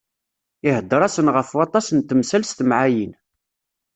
Iheddeṛ-asen ɣef waṭas n temsal s temɛayin.